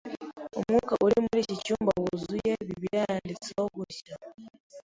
Umwuka uri muri iki cyumba wuzuye. Bibiliya yanditseho gutya.